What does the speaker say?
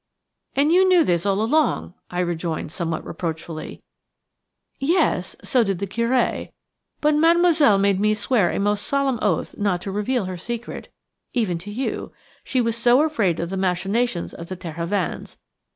"And you knew this all along?" I rejoined somewhat reproachfully. "Yes, so did the Curé, but Mademoiselle made me swear a most solemn oath not to reveal her secret even to you; she was so afraid of the machinations of the Terhovens.